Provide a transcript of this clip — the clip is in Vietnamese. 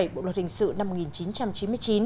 bộ luật hình sự năm một nghìn chín trăm chín mươi chín